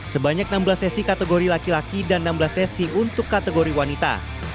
sebanyak enam belas sesi kategori laki laki dan enam belas sesi untuk kategori wanita